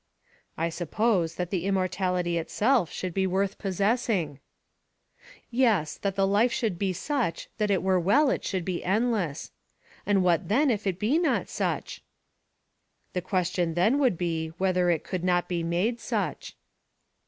"I suppose that the immortality itself should be worth possessing." "Yes; that the life should be such that it were well it should be endless. And what then if it be not such?" "The question then would be whether it could not be made such."